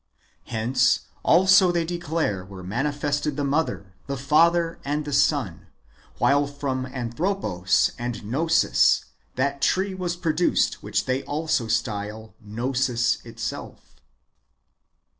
Hence also they declare were manifested the mother, the father, the son ; while from Anthropos and Gnosis that Tree was produced which they also style Gnosis itself.